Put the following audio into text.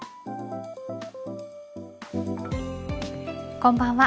こんばんは。